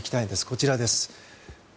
こちらです。